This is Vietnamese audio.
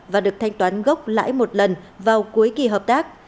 và được thanh toán gốc lãi một lần vào cuối kỳ hợp tác